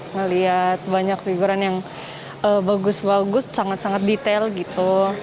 ngelihat banyak figuran yang bagus bagus sangat sangat detail gitu